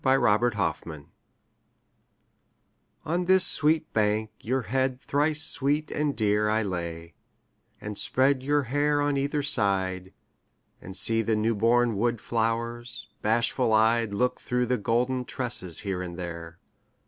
YOUTH'S SPRING TRIBUTE On this sweet bank your head thrice sweet and dear I lay, and spread your hair on either side, And see the newborn wood flowers bashful eyed Look through the golden tresses here and there.